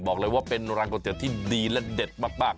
บอกเลยว่าเป็นร้านก๋วยเตี๋ยวที่ดีและเด็ดมาก